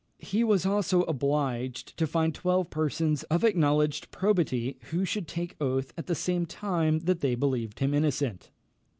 He was also obliged to find twelve persons of acknowledged probity who should take oath at the same time that they believed him innocent.